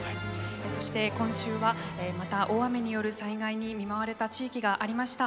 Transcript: そして、今週はまた大雨による災害に見舞われた地域がありました。